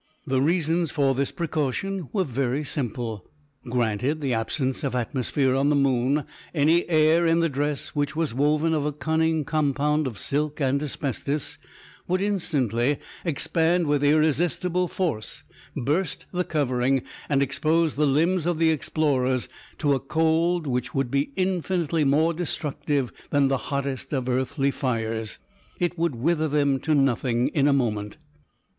The reasons for this precaution were very simple. Granted the absence of atmosphere on the moon, any air in the dress, which was woven of a cunning compound of silk and asbestos, would instantly expand with irresistible force, burst the covering, and expose the limbs of the explorers to a cold which would be infinitely more destructive than the hottest of earthly fires. It would wither them to nothing in a moment.